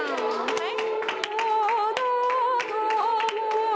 はい！